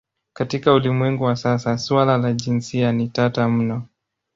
Katika ulimwengu wa sasa suala la jinsia ni tata mno.